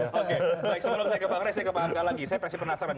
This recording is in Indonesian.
baik sebelum saya ke bangres saya ke bangga lagi saya pasti penasaran